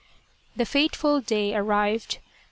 The fateful day arrived.